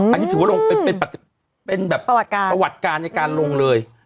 อันนี้ถือว่าเป็นแบบประวัติการในการลงเลย